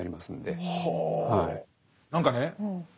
何かね